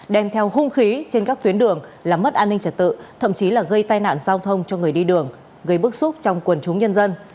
đem theo hung khí trên các tuyến đường làm mất an ninh trật tự thậm chí là gây tai nạn giao thông cho người đi đường gây bức xúc trong quần chúng nhân dân